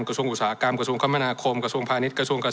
กระทรวงอุตสาหกรรมกระทรวงคมนาคมกระทรวงพาณิชยกระทรวงเกษตร